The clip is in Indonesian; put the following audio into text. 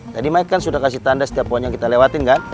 tadi mike kan sudah kasih tanda setiap poin yang kita lewatin kan